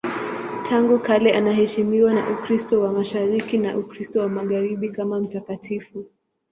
Tangu kale anaheshimiwa na Ukristo wa Mashariki na Ukristo wa Magharibi kama mtakatifu.